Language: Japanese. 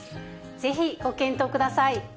ぜひご検討ください。